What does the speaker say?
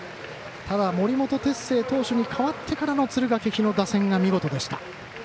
ただ森本哲星投手に代わってからの敦賀気比の打線が見事でした。